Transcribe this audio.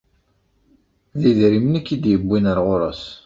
D idrimen i k-id-yewwin ar ɣur-s.